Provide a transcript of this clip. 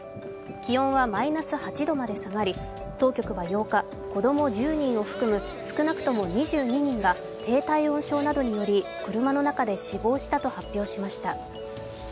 気温はマイナス８度まで下がり、当局は８日、子供１０人を含む少なくとも２２人が低体温症などにより車の中で死亡したと発表しました。